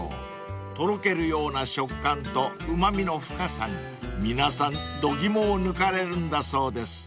［とろけるような食感とうま味の深さに皆さん度肝を抜かれるんだそうです］